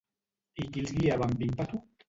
I qui els guiava amb ímpetu?